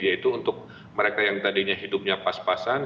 yaitu untuk mereka yang tadinya hidupnya pas pasan